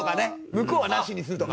向こうは「ナシ」にするとか。